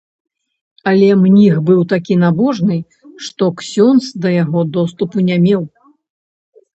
Але мніх быў такі набожны, што ксёндз да яго доступу не меў.